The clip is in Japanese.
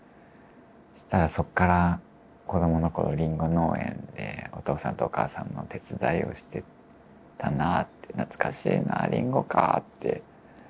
そしたらそこから「子どもの頃りんご農園でお父さんとお母さんの手伝いをしてたな懐かしいなりんごか」って。